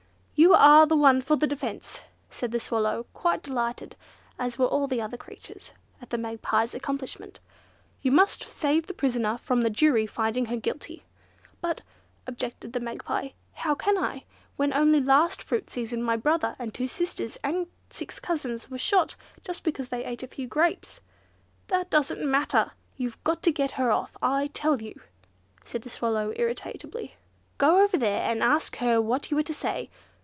"You are the one for the defence!" said the Swallow, quite delighted, as were all the other creatures, at the Magpie's accomplishment; "you must save the prisoner from the jury finding her guilty." "But," objected the Magpie, "how can I, when only last fruit season my brother, and two sisters, and six cousins were shot just because they ate a few grapes?" "That doesn't matter! you've got to get her off, I tell you!" said the Swallow, irritably. "Go over there, and ask her what you are to say."